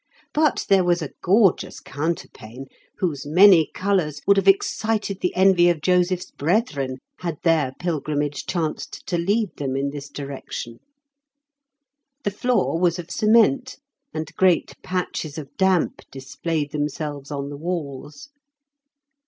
But there was a gorgeous counterpane, whose many colours would have excited the envy of Joseph's brethren had their pilgrimage chanced to lead them in this direction. The floor was of cement, and great patches of damp displayed themselves on the walls.